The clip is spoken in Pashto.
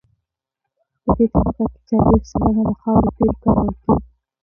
په دې طبقه کې څلویښت سلنه د خاورو تیل کارول کیږي